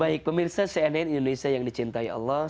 baik pemirsa cnn indonesia yang dicintai allah